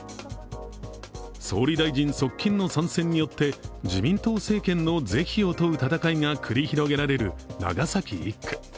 総理大臣側近の参戦によって自民党政権の是非を問う戦いが繰り広げられる長崎１区。